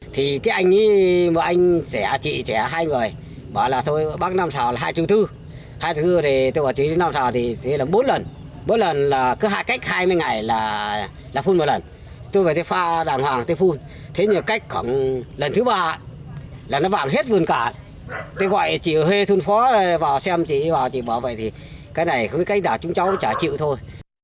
thì bỏ vậy thì cái này không có cách đả chúng cháu trả chịu thôi